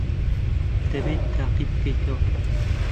دەبێت تاقی بکەیتەوە.